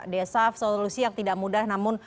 desa solusi yang tidak mudah namun